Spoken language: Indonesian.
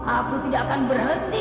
aku tidak akan berhenti